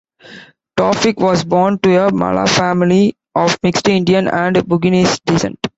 Taufik was born to a Malay family of mixed Indian and Buginese descent.